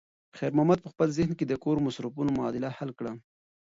خیر محمد په خپل ذهن کې د کور د مصرفونو معادله حل کړه.